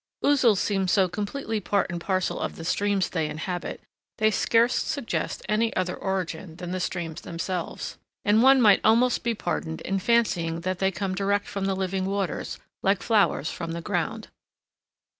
Ouzels seem so completely part and parcel of the streams they inhabit, they scarce suggest any other origin than the streams themselves; and one might almost be pardoned in fancying they come direct from the living waters, like flowers from the ground.